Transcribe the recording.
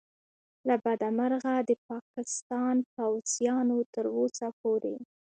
له بده مرغه د پاکستان پوځیانو تر اوسه پورې